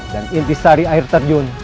dan inti sari air terjun